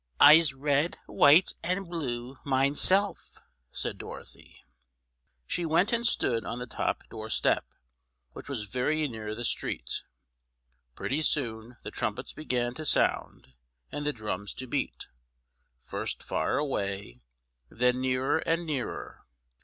"I'se red, white and blue mine self!" said Dorothy. She went and stood on the top doorstep, which was very near the street. Pretty soon the trumpets began to sound and the drums to beat, first far away, then nearer and nearer.